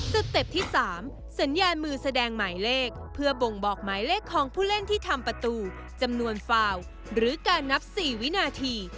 เต็ปที่๓สัญญาณมือแสดงหมายเลขเพื่อบ่งบอกหมายเลขของผู้เล่นที่ทำประตูจำนวนฟาวหรือการนับ๔วินาที